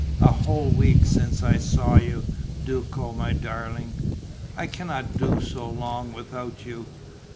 "A whole week since I saw you, Duco, my darling. I cannot do so long without you.